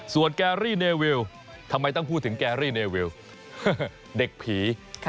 ส่วนแกรี่เนวิวทำไมต้องพูดถึงแกรี่เนวิวเด็กผี